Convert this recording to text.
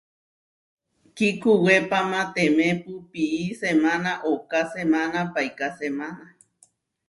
Kíkuwépamatemepu pií semána ooká semána paiká semána.